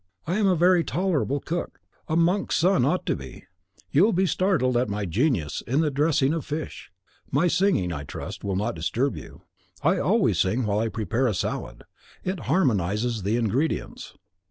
I am a very tolerable cook; a monk's son ought to be! You will be startled at my genius in the dressing of fish. My singing, I trust, will not disturb you. I always sing while I prepare a salad; it harmonises the ingredients."